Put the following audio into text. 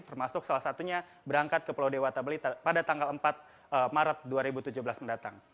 termasuk salah satunya berangkat ke pulau dewata bali pada tanggal empat maret dua ribu tujuh belas mendatang